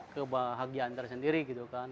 kebahagiaan dari sendiri gitu kan